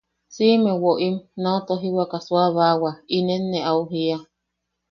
Siʼime woʼim nau tojiwaka suʼabaawa, inen ne au jiia.